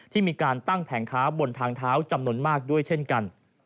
ที่มีการตั้งแผงค้าบนทางเท้าจำนวนมากด้วยเช่นกัน